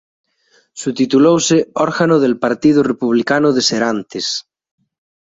Subtitulouse "Órgano del Partido Republicano de Serantes".